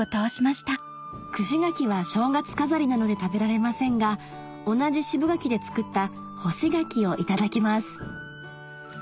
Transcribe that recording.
串柿は正月飾りなので食べられませんが同じ渋柿で作った干し柿をいただきます